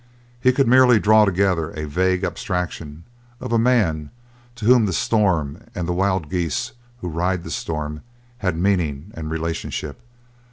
He could merely draw together a vague abstraction of a man to whom the storm and the wild geese who ride the storm had meaning and relationship.